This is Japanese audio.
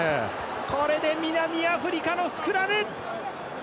これで、南アフリカのスクラム。